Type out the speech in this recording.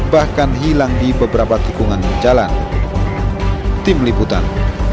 bahkan hilang di beberapa tikungan jalan